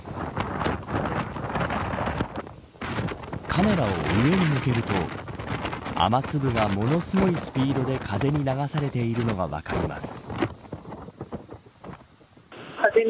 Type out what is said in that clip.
カメラを上に向けると雨粒がものすごいスピードで風に流されているのが分かります。